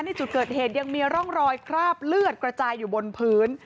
ในจุดเกิดเหตุยังมีร่องรอยคราบเลือดกระจายอยู่บนพื้น